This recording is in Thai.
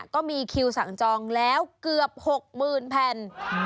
ก็มีคิวสั่งจองแล้วเกือบ๖๐๐๐แผ่น